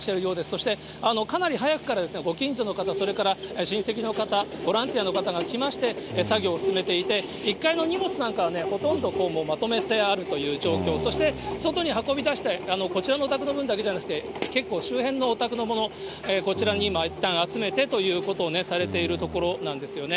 そしてかなり早くから、ご近所の方、それから親戚の方、ボランティアの方が来まして、作業を進めていて、１階の荷物なんかは、もうほとんどまとめてあるという状況、そして外に運び出して、こちらのお宅の分だけじゃなくて、結構周辺のお宅のもの、こちらにいったん集めてということをされているところなんですよね。